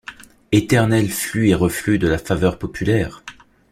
Éternel flux et reflux de la faveur populaire!